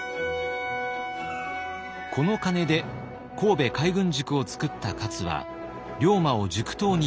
この金で神戸海軍塾を作った勝は龍馬を塾頭に抜てき。